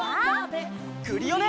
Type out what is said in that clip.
クリオネ！